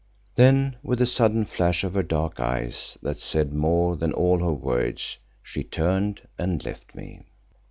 Then with a sudden flash of her dark eyes that said more than all her words, she turned and left me.